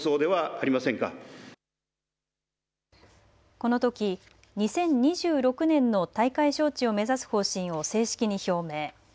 このとき２０２６年の大会招致を目指す方針を正式に表明。